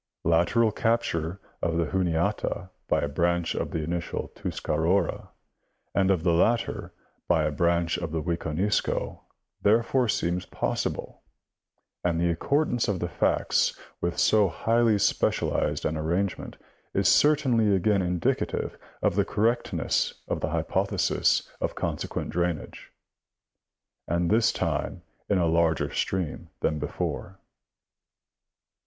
Lateral capture of the Juniata by a branch of the initial Tuscarora, and of the latter by a branch of the Wiconisco therefore seems pos sible, and the accordance of the facts with so highly specialized an arrangement is certainly again indicative of the correctness of the hypothesis of consequent drainage, and this time in a larger stream than before.